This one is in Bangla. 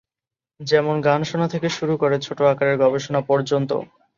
যেমন গান শোনা থেকে শুরু করে ছোট আকারের গবেষণা পর্যন্ত।